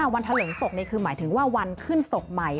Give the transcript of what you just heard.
วันทะเลิงศพนี่คือหมายถึงว่าวันขึ้นศพใหม่